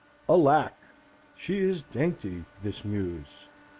Alack! she is dainty, this Muse!